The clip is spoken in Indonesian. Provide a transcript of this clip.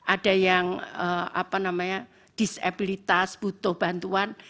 ada yang apa namanya disabilitas butuh bantuan